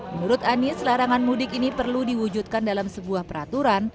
menurut anies larangan mudik ini perlu diwujudkan dalam sebuah peraturan